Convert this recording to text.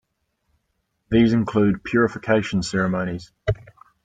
These include purification ceremonies.